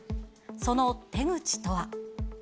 その手口とは。